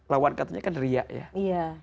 lawan katanya kan riak ya